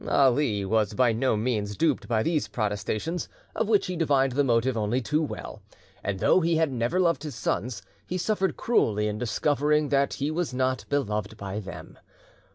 Ali was by no means duped by these protestations, of which he divined the motive only too well, and though he had never loved his sons, he suffered cruelly in discovering that he was not beloved by them.